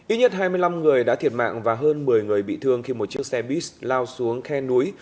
ít nhất hai mươi năm người đã thiệt mạng và hơn một mươi người bị thương khi một chiếc xe bus lao xuống khe núi